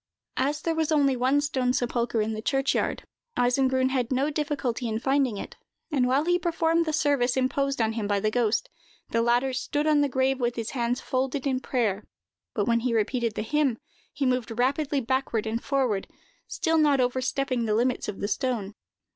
As there was only one stone sepulchre in the churchyard, Eisengrun had no difficulty in finding it; and while he performed the service imposed on him by the ghost, the latter stood on the grave with his hands folded as if in prayer; but when he repeated the hymn, he moved rapidly backward and forward, but still not overstepping the limits of the stone.